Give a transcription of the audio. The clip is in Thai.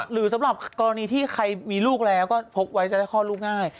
หรือสำหรับกรณีที่ใครมีลูกแล้วก็พกไว้จะได้คลอดลูกง่าย